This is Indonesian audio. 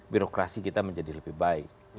birokrasi kita menjadi lebih baik